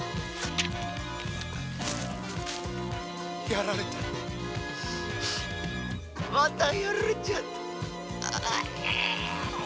やられたまたやられちまった。